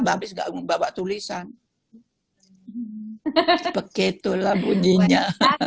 babis gak membawa tulisan begitu lah bunyinya